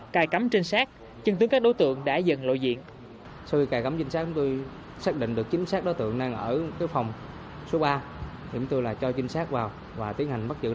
cài cắm trên sát chân tướng các đối tượng đã dần lội diện